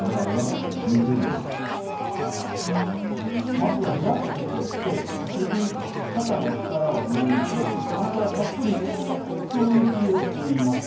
まずはリラックスをして、首、肩の力を抜いて、鼻からたっぷり、ふーんと息を吸います。